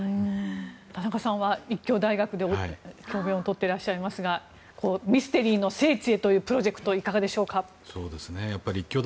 田中さんは立教大学で教べんを執っていらっしゃいますがミステリーの聖地というプロジェクトいかがでしょうか。